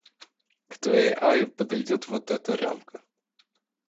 К твоей аве подойдёт вот эта рамка.